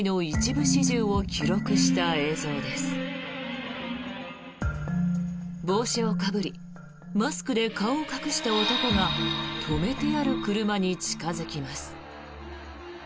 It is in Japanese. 帽子をかぶりマスクで顔を隠した男が止めてある車に近付きます。